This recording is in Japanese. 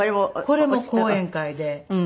これも講演会で。